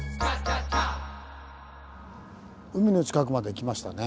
海の近くまで来ましたね。